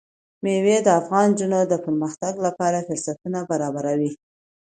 مېوې د افغان نجونو د پرمختګ لپاره فرصتونه برابروي.